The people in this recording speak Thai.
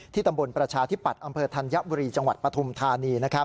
ตำบลประชาธิปัตย์อำเภอธัญบุรีจังหวัดปฐุมธานี